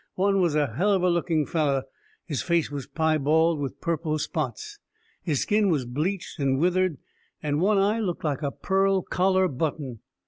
One was a hell of a looking fellow: his face was piebald, with purple spots. His skin was bleached and withered, and one eye looked like a pearl collar button!